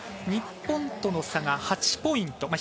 日本との差が８ポイント。